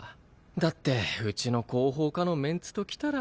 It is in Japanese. だってうちの広報課のメンツときたら。